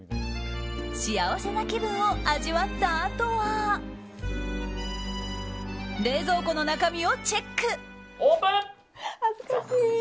幸せな気分を味わったあとは冷蔵庫の中身をチェック！